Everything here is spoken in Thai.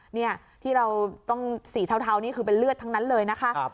นี่ที่เราต้องสีเทานี่คือเป็นเลือดทั้งนั้นเลยนะคะ